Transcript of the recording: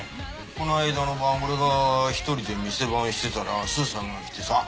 この間の晩俺が１人で店番してたらスーさんが来てさ。